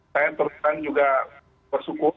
saya teruskan juga bersyukur